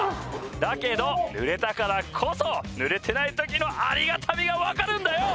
だけど濡れたからこそ濡れてない時のありがたみが分かるんだよ！